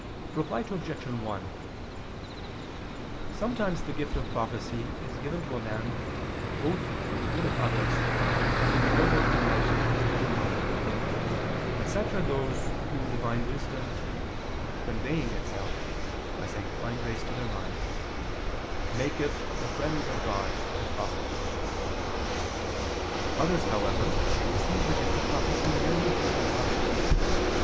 Reply Obj. 1: Sometimes the gift of prophecy is given to a man both for the good of others, and in order to enlighten his own mind; and such are those whom Divine wisdom, "conveying itself" by sanctifying grace to their minds, "maketh the friends of God, and prophets." Others, however, receive the gift of prophecy merely for the good of others.